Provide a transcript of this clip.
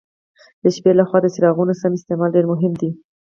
د شپې له خوا د څراغونو سم استعمال ډېر مهم دی.